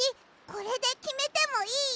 これできめてもいい？